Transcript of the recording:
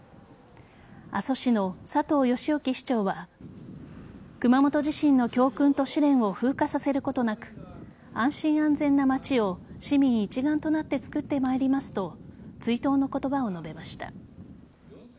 阿蘇市の佐藤義興市長は熊本地震の教訓と試練を風化させることなく安心・安全な街を市民一丸となってつくってまいりますと追悼の言葉を述べました。